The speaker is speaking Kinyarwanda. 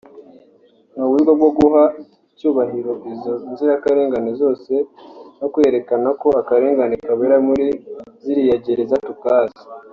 ni uburyo bwo guha icyubahiro izo nzirakarengane zose no kwerekana ko akarengane kabera muri ziriya gereza tukazi